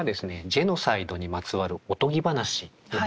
ジェノサイドにまつわるおとぎ話というものです。